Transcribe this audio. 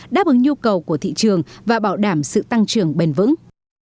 đáp ứng nhu cầu của thị trường và bảo đảm sự tăng trưởng bền vững